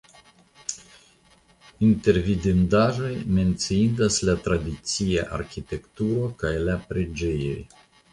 Inter vidindaĵoj menciindas la tradicia arkitekturo kaj la preĝejoj.